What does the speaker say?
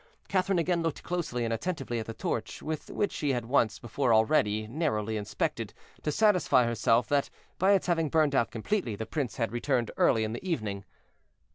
Catherine again looked closely and attentively at the torch which she had once before already narrowly inspected, to satisfy herself that, by its having burned out completely, the prince had returned early in the evening.